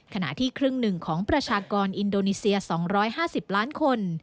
ขณะที่ครึ่งหนึ่งของประชากรอินโดนีเซีย๒๕๐ล้านคน